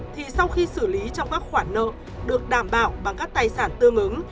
thì sau khi xử lý trong các khoản nợ được đảm bảo bằng các tài sản tương ứng